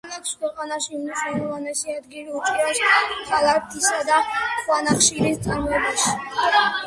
ქალაქს ქვეყანაში უმნიშვნელოვანესი ადგილი უჭირავს ფოლადისა და ქვანახშირის წარმოებაში.